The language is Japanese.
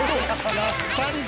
やっぱりか。